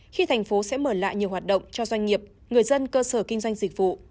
khi thành phố sẽ mở lại nhiều hoạt động cho doanh nghiệp người dân cơ sở kinh doanh dịch vụ